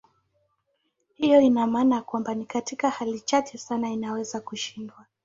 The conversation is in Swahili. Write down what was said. Hiyo ina maana kwamba ni katika hali chache sana inaweza kushindwa.